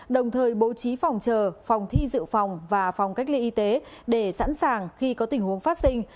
đồng thời bố trí phòng chờ phòng thi dự phòng và phòng cách ly y tế để sẵn sàng khi có tình huống phát sinh